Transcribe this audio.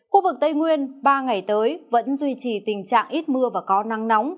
khu vực tây nguyên ba ngày tới vẫn duy trì tình trạng ít mưa và có nắng nóng